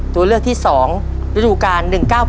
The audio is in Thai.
ตัวเลือกที่๒ฤดูกาล๑๙๙